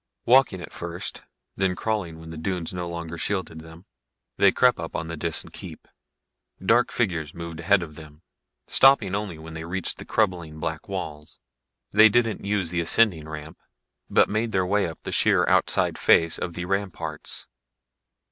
Walking at first, then crawling when the dunes no longer shielded them, they crept up on the Disan keep. Dark figures moved ahead of them, stopping only when they reached the crumbling black walls. They didn't use the ascending ramp, but made their way up the sheer outside face of the ramparts.